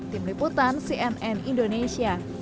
tim liputan cnn indonesia